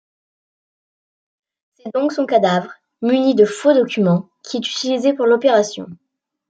C'est donc son cadavre muni de faux documents qui est utilisé pour l'opération.